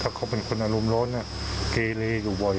เขาเป็นคนอารมณ์ร้อนเกเลอยู่บ่อย